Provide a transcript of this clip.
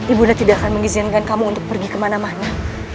ibunda tidak akan mengizinkan kamu untuk pergi kemana mana